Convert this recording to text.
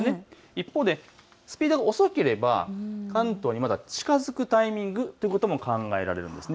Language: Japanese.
一方でスピードが遅ければ関東にまだ近づくタイミングということも考えられるんです。